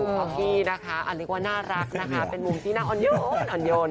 พอพี่นะคะอันนี้กว่าน่ารักนะคะเป็นมุมที่น่าอ่อนโยน